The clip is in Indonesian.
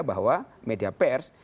bahwa media pers